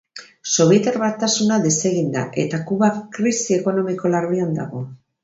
Sobietar Batasuna desegin da, eta Kuba krisi ekonomiko larrian dago.